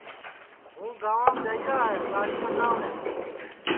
ہُوں گانٚوانٚم جائیرا ہے دہاڑی کٹاوٹؔیں